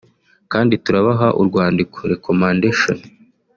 kandi turabaha urwandiko ( Recommandation)